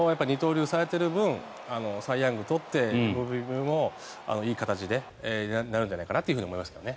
流されてる分サイ・ヤングを取ってＭＶＰもいい形でなるんじゃないかなと思いますけどね。